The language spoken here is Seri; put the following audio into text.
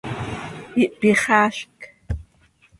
Ihpyixaazc.